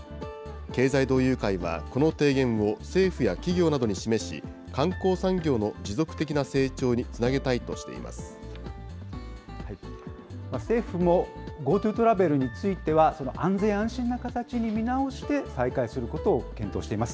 経済同友会は、この提言を政府や企業などに示し、観光産業の持続的な成長につなげたいとしていま政府もＧｏＴｏトラベルについては、安全安心な形に見直して再開することを検討しています。